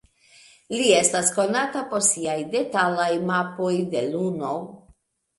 Li estas konata por siaj detalaj mapoj de Luno.